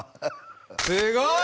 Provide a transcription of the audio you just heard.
すごい！